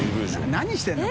何してるの？